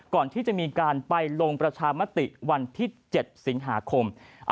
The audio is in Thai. ก่อนที่จะมีการไปลงประชามติวันที่๗สิงหาคม